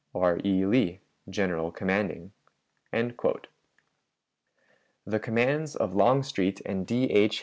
"R. E. LEE, General commanding." The commands of Longstreet and D. H.